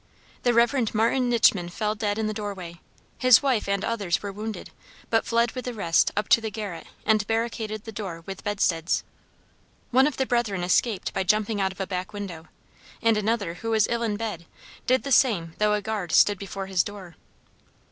The Rev. Martin Nitschman fell dead in the doorway. His wife and others were wounded, but fled with the rest up to the garret and barricaded the door with bedsteads. One of the Brethren escaped by jumping out of a back window, and another who was ill in bed did the same though a guard stood before his door.